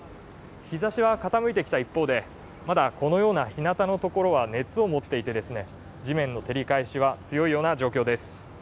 日ざしは傾いてきた一方で、まだこのような日なたのところは熱を持っていて、地面の照り返しは強いような状況です。